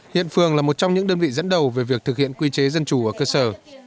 hiện phường là một trong những đơn vị dẫn đầu về việc thực hiện quy chế dân chủ ở cơ sở